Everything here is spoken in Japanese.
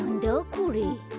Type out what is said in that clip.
これ。